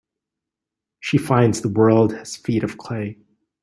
She finds the world has feet of clay.